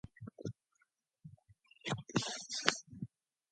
The historic William Creek Hotel is listed on the South Australian Heritage Register.